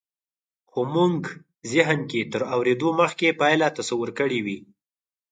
خو مونږ زهن کې تر اورېدو مخکې پایله تصور کړې وي